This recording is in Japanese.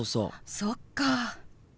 そっかあ。